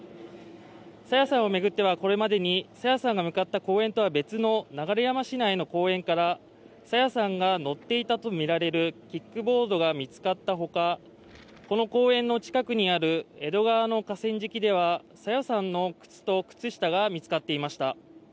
朝芽さんを巡っては、これまでに朝芽さんが向かった公園とは別の流山市内の公園から朝芽さんが乗っていたとみられるキックボードが見つかったほか、この公園の近くにある江戸川の河川敷では朝芽さんの靴と靴下が見つかっていました。